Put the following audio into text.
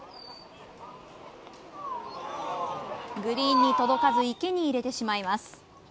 グリーンに届かず池に入れてしまいます。